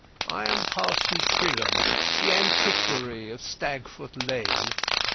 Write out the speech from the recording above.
I am Parson Tringham, the antiquary, of Stagfoot Lane.